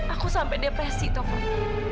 aku sampai depresi taufan